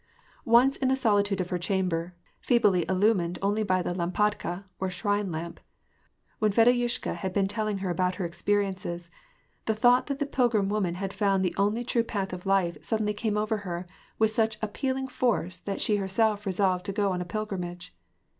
Once, in the solitude of her chamber, feebly illumined only by the lampadka or shrine lamp, when Fedosyushka had been telling about her experiences, the thought that the pilgrim woman had found the only true path of life suddenly came over her trith such appealing force that she herself resolved to go on a pilgrimage.